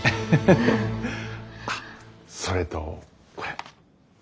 あっそれとこれ。